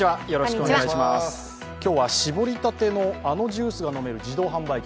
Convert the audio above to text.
今日は絞りたてのあのジュースが飲める自動販売機